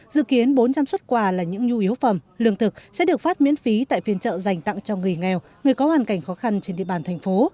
dự kiến bốn trăm linh xuất quà là những nhu yếu phẩm lương thực sẽ được phát miễn phí tại phiên chợ dành tặng cho người nghèo người có hoàn cảnh khó khăn trên địa bàn thành phố